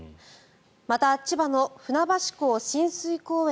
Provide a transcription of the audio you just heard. また、千葉の船橋港親水公園